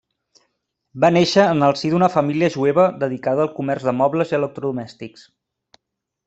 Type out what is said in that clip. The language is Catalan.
Va néixer en el si d'una família jueva dedicada al comerç de mobles i electrodomèstics.